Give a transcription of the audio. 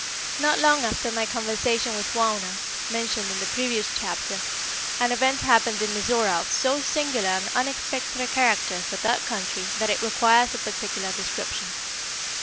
Not long after my conversation with Wauna, mentioned in the previous chapter, an event happened in Mizora of so singular and unexpected a character for that country that it requires a particular description.